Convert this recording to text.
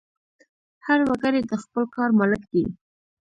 هر وګړی د خپل کار مالک دی.